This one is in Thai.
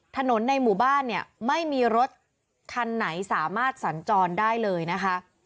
ถนนในหมู่บ้านเนี่ยไม่มีรถคันไหนสามารถสัญจรได้เลยนะคะ